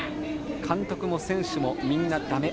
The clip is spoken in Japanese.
監督も選手もみんなだめ。